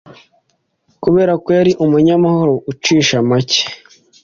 Kubera ko Yari umunyamahoro ucisha make,